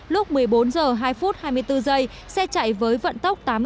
lúc một mươi bốn h hai mươi bốn xe chạy với vận tốc